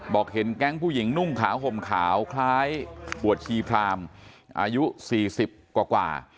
เห็นแก๊งผู้หญิงนุ่งขาวห่มขาวคล้ายปวดชีพรามอายุ๔๐กว่า